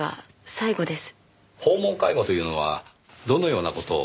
訪問介護というのはどのような事を？